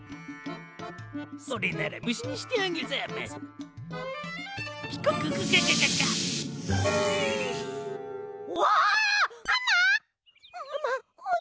それならむしにしてあげるザマス。